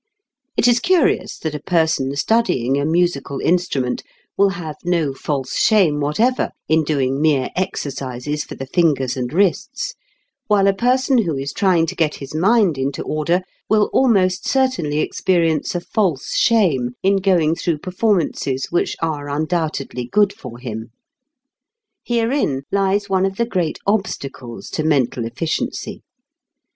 It is curious that a person studying a musical instrument will have no false shame whatever in doing mere exercises for the fingers and wrists while a person who is trying to get his mind into order will almost certainly experience a false shame in going through performances which are undoubtedly good for him. Herein lies one of the great obstacles to mental efficiency.